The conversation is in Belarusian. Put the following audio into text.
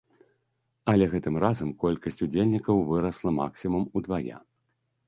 Але гэтым разам колькасць удзельнікаў вырасла максімум удвая.